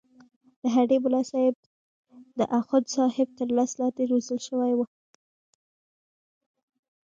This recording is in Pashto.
د هډې ملاصاحب د اخوندصاحب تر لاس لاندې روزل شوی وو.